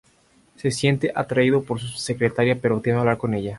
Se siente atraído por su secretaria pero teme hablar con ella.